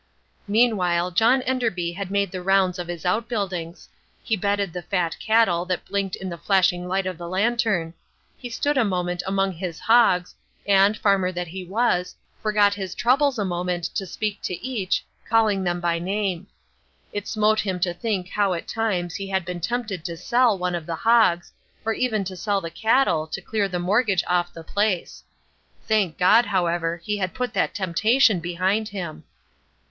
Meanwhile John Enderby had made the rounds of his outbuildings. He bedded the fat cattle that blinked in the flashing light of the lantern. He stood a moment among his hogs, and, farmer as he was, forgot his troubles a moment to speak to each, calling them by name. It smote him to think how at times he had been tempted to sell one of the hogs, or even to sell the cattle to clear the mortgage off the place. Thank God, however, he had put that temptation behind him.